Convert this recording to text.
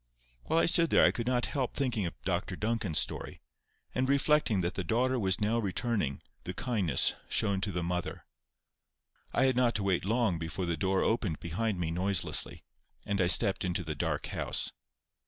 While I stood there I could not help thinking of Dr Duncan's story, and reflecting that the daughter was now returning the kindness shown to the mother. I had not to wait long before the door opened behind me noiselessly, and I stepped into the dark house.